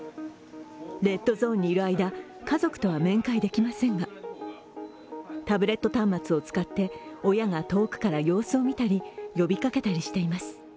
レッドゾーンにいる間、家族とは面会できませんがタブレット端末を使って親が遠くから様子を見たり呼びかけたりしています。